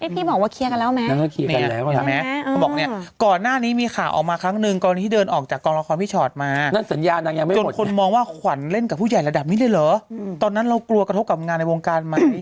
พี่บอกว่าเคียร์กันแล้วไหม